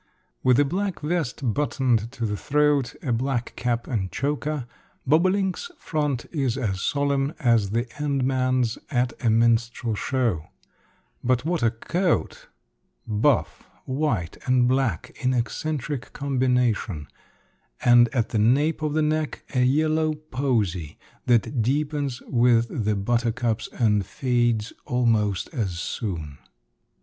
With a black vest buttoned to the throat, a black cap and choker, bobolink's front is as solemn as the end man's at a minstrel show. But what a coat! Buff, white and black in eccentric combination; and at the nape of the neck, a yellow posy, that deepens with the buttercups and fades almost as soon.